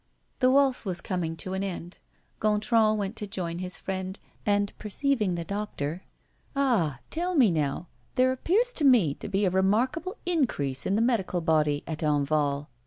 The waltz was coming to an end; Gontran went to join his friend, and, perceiving the doctor: "Ah! tell me now there appears to me to be a remarkable increase in the medical body at Enval.